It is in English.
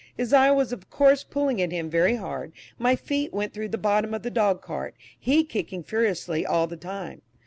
As I was of course pulling at him very hard, my feet went through the bottom of the dog cart, he kicking furiously all the time.